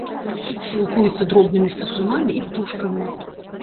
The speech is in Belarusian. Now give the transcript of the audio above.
Сілкуецца дробнымі сысунамі і птушкамі.